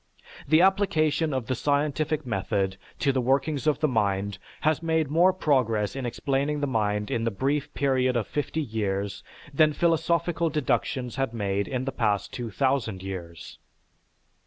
The application of the scientific method to the workings of the mind has made more progress in explaining the mind in the brief period of fifty years than philosophical deductions had made in the past two thousand years.